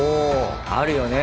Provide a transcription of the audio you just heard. あるよね。